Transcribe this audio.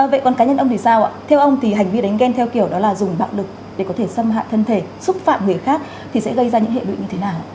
vậy còn cá nhân ông thì sao ạ theo ông thì hành vi đánh ghen theo kiểu đó là dùng bạo lực để có thể xâm hại thân thể xúc phạm người khác thì sẽ gây ra những hệ lụy như thế nào